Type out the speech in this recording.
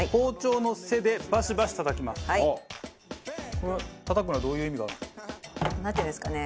これたたくのはどういう意味がある？なんていうんですかね